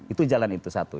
itu jalan itu satu